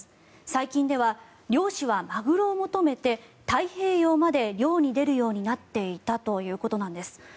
最近では漁師はマグロを求めて太平洋まで漁に出るようになっていたということなんです。